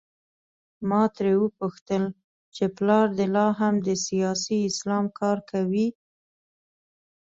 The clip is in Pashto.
ما ترې وپوښتل چې پلار دې لا هم د سیاسي اسلام کار کوي؟